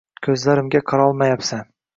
Kuzlarimga qarolmayabsan